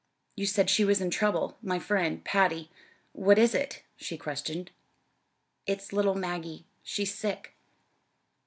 "You said she was in trouble my friend, Patty. What is it?" she questioned. "It's little Maggie. She's sick."